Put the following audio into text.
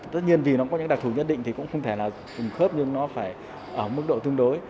tất nhiên vì nó có những đặc thù nhất định thì cũng không thể là cùng khớp nhưng nó phải ở mức độ tương đối